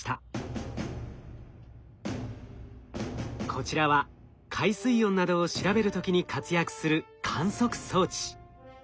こちらは海水温などを調べる時に活躍する観測装置。